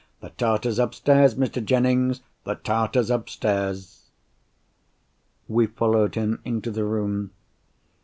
The Tartar's upstairs, Mr. Jennings—the Tartar's upstairs!" We followed him into the room.